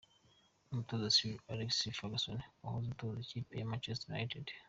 Umutoza Sir Alex Ferguson wahoze atoza ikipe ya Manchester United.